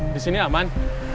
di sini aman